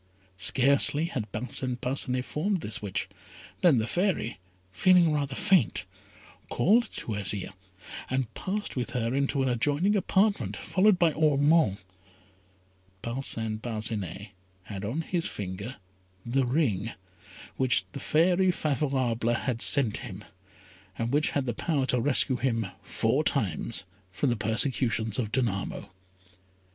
Scarcely had Parcin Parcinet formed this wish, than the Fairy, feeling rather faint, called to Azire, and passed with her into an adjoining apartment, followed by Ormond. Parcin Parcinet had on his finger the ring which the fairy Favourable had sent him, and which had the power to rescue him four times from the persecutions of Danamo.